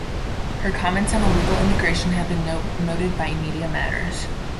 Her comments on illegal immigration have been noted by Media Matters.